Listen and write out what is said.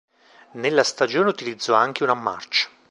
Nella stagione utilizzò anche una March.